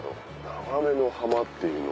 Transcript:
長目の浜っていうの？